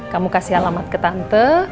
kamu kasih alamat ke tante